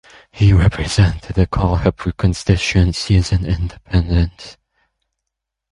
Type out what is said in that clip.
He represented the Kolhapur constituency as an independent.